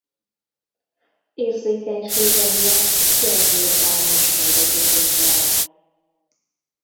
Érzékenysége miatt gyengéd bánásmódot igényel.